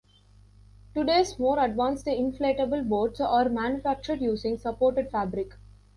Today's more advanced inflatable boats are manufactured using supported fabric.